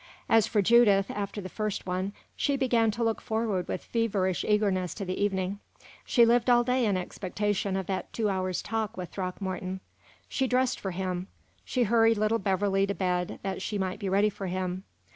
As for Judith, after the first one, she began to look forward with feverish eagerness to the evening. She lived all day in expectation of that two hours' talk with Throckmorton. She dressed for him; she hurried little Beverley to bed that she might be ready for him.